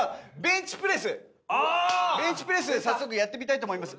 ベンチプレス早速やってみたいと思います。